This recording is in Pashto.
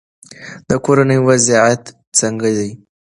د کورنۍ وضعیت څنګه دی؟